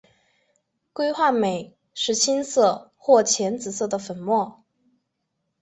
硅化镁是青色或浅紫色的粉末。